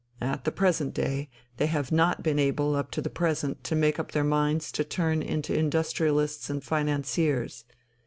At the present day.... They have not been able up to the present to make up their minds to turn into industrialists and financiers.